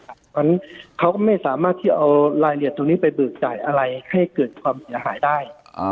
เพราะฉะนั้นเขาก็ไม่สามารถที่เอารายละเอียดตรงนี้ไปเบิกจ่ายอะไรให้เกิดความเสียหายได้